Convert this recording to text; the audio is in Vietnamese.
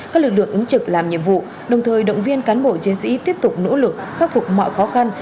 các lực lượng ứng trực làm nhiệm vụ đồng thời động viên cán bộ chiến sĩ tiếp tục nỗ lực khắc phục mọi khó khăn